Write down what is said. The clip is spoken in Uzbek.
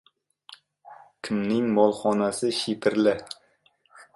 Kimning molxonasi shipirli?